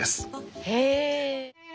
へえ。